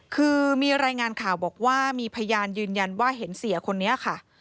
คือมีรายงานข่าวบอกว่ามีพยานยืนยันว่าเห็นเสียคนนี้ค่ะ